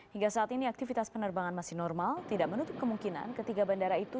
hingga saat ini aktivitas penerbangan masih normal tidak menutup kemungkinan ketiga bandara itu